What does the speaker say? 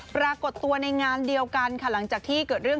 ปรากฏตัวในงานเดียวกันค่ะหลังจากที่เกิดเรื่อง